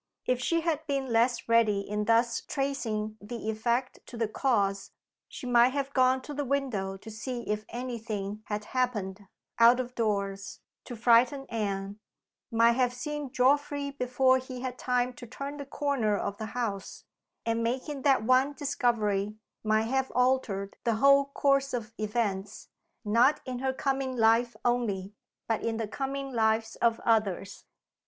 If she had been less ready in thus tracing the effect to the cause, she might have gone to the window to see if any thing had happened, out of doors, to frighten Anne might have seen Geoffrey before he had time to turn the corner of the house and, making that one discovery, might have altered the whole course of events, not in her coming life only, but in the coming lives of others.